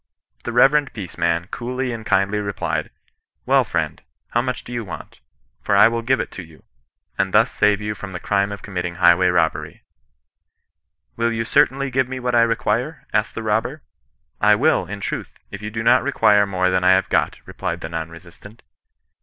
The reverend peace man coolly and kindly replied, * Well, friend, how much do you want, for I will give it to you, and thus save you from the crime of committing highway robbery V * Will you certaMy give me what I require, asked the robber. ^ I will, in truth, if you do not require more than I have got,' replied the non resistant.